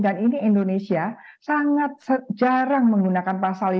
dan ini indonesia sangat jarang menggunakan pasal lima